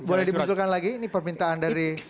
boleh dimunculkan lagi ini permintaan dari